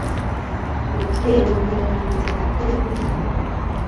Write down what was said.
kot keaun ngalek ab nyaiset ab toget ko me sabe